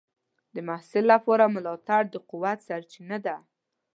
د محصل لپاره ملاتړ د قوت سرچینه ده.